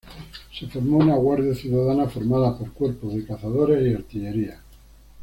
Se formó una guardia ciudadana formada por cuerpos de cazadores y artillería.